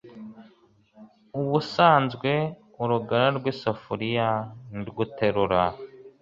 Ubusanzwe urugara rw' isafuriya nirwo uterura